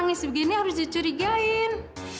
nangis begini harus dicurigain